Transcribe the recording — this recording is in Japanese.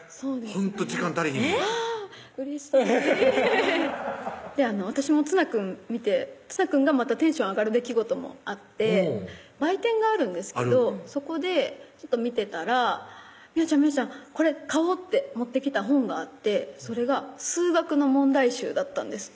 ほんと時間足りひんもんうれしい私もつなくん見てつなくんがまたテンション上がる出来事もあって売店があるんですけどそこで見てたら「美帆ちゃん美帆ちゃん」「これ買おう」って持ってきた本があってそれが数学の問題集だったんです